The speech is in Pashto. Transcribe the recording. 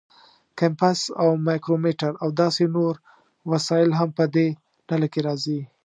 کمپاس او مایکرومیټر او داسې نور وسایل هم په دې ډله کې راځي.